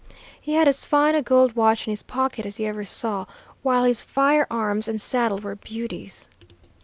"He had as fine a gold watch in his pocket as you ever saw, while his firearms and saddle were beauties.